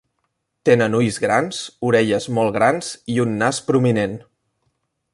Tenen ulls grans, orelles molt grans i un nas prominent.